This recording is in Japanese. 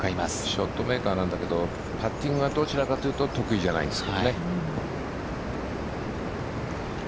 ショットメーカーなんだけどパッティングはどちらかというと得意じゃないんです。